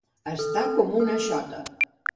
Estar com una xota.